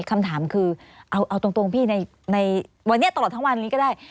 คำถามคือเอาตรงพี่ในวันนี้ตลอดทั้งวันนี้ก็ได้